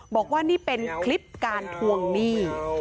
บอกว่านี่เป็นคลิปการทวงหนี้